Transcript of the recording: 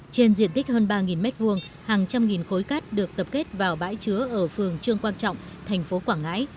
trên diện tích hơn ba m hai hàng trăm nghìn khối cát được tập kết vào bãi chứa ở phường trương quang trọng thành phố quảng ngãi